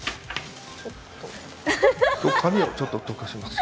髪をちょっととかします。